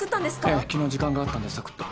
ええ昨日時間があったんでさくっと。